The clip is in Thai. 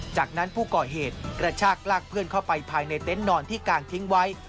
จากนั้นผู้ก่อเหตุกระชากลากเพื่อนเข้าไปภายในเต็นต์นอนที่กางทิ้งไว้